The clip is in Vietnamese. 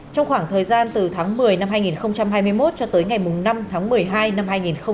trong khoảng thời gian từ tháng một mươi năm hai nghìn hai mươi một cho tới ngày năm tháng một mươi hai năm hai nghìn hai mươi ba